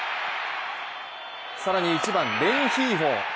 更に１番・レンヒーフォ。